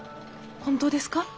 本当ですか？